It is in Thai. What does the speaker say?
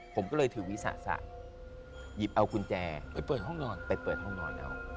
ผมก็เลยถือวิสาสะหยิบเอากุญแจไปเปิดห้องนอนแล้ว